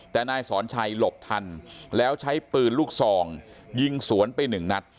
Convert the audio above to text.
แต่นายสอนชัยหลบทันแล้วใช้ปืนลูกซองยิงสวนไปหนึ่งนัด